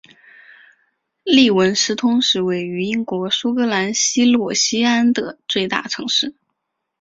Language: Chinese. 利文斯通是位于英国苏格兰西洛锡安的最大城市。